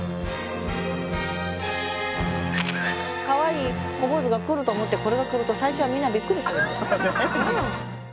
かわいい小坊主が来ると思ってこれが来ると最初はみんなびっくりするんじゃ。